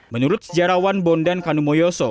menurut sejarawan bondan kanumoyoso